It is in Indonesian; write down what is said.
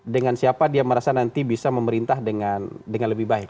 dengan siapa dia merasa nanti bisa memerintah dengan lebih baik